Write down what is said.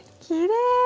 きれい！